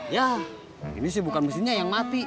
ya ini sih bukan mesinnya yang mati